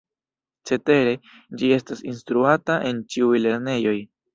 Cetere, ĝi estas instruata en ĉiuj lernejoj.